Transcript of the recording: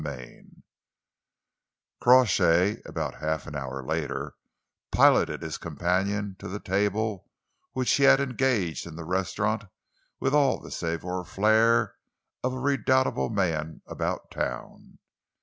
CHAPTER XXI Crawshay, about half an hour later, piloted his companion to the table which he had engaged in the restaurant with all the savoir faire of a redoubtable man about town.